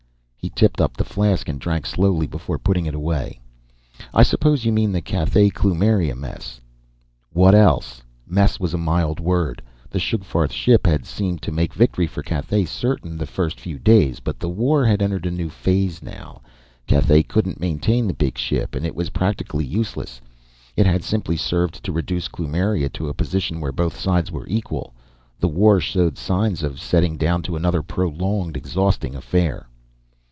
He tipped up the flask and drank slowly before putting it away. "I suppose you mean the Cathay Kloomiria mess?" "What else?" Mess was a mild word. The Sugfarth ship had seemed to make victory for Cathay certain the first few days, but the war had entered a new phase now. Cathay couldn't maintain the big ship, and it was practically useless. It had simply served to reduce Kloomiria to a position where both sides were equal. The war showed signs of settling down to another prolonged, exhausting affair.